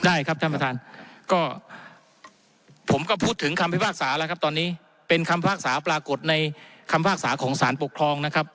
ได้ครับท่านประธานก็ผมก็พูดถึงคำพิพากษาแล้วครับตอนนี้เป็นคำภาษาปรากฏในคำพิพากษาของสารปกครองนะครับ